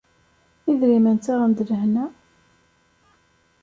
Idrimen ttaɣen-d lehna?